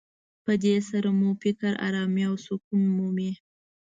په دې سره مو فکر ارامي او سکون مومي.